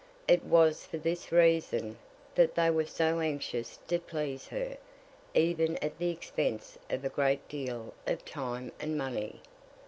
It was for this reason that they were so anxious to please her, even at the expense of a great deal of time and money.